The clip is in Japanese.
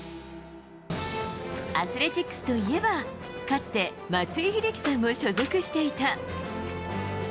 アスレチックスといえば、かつて松井秀喜さんも所属していた。